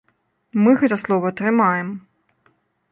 Мы гэта слова трымаем.